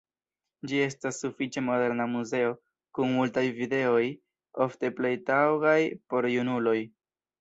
Ĝi estas sufiĉe moderna muzeo, kun multaj videoj, ofte plej taŭgaj por junuloj.